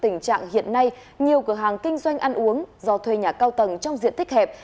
ngày nay nhiều cửa hàng kinh doanh ăn uống do thuê nhà cao tầng trong diện tích hẹp